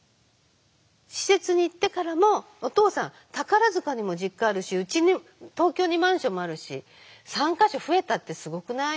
施設に行ってからも「お父さん宝塚にも実家あるしうちに東京にマンションもあるし３か所増えたってすごくない？」